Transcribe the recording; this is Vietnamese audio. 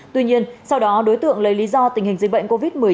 tuy nhiên sau đó đối tượng lấy lý do tình hình dịch bệnh covid một mươi chín